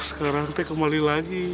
sekarang tee kembali lagi